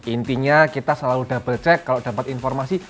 intinya kita selalu double check kalau dapat informasi